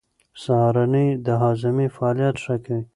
سهارنۍ د هاضمې فعالیت ښه کوي.